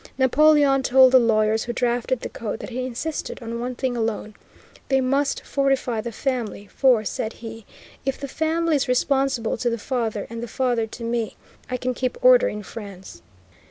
Napoleon told the lawyers who drafted the Code that he insisted on one thing alone. They must fortify the family, for, said he, if the family is responsible to the father and the father to me, I can keep order in France.